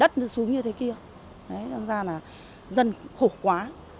đấy đáng ra là dân khổ quá